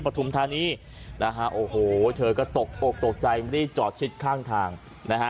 ฐุมธานีนะฮะโอ้โหเธอก็ตกอกตกใจรีบจอดชิดข้างทางนะฮะ